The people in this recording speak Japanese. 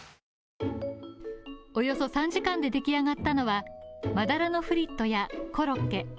およそ３時間で出来上がったのはマダラのフリットやコロッケ。